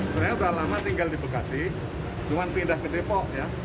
sebenarnya sudah lama tinggal di bekasi cuma pindah ke depok ya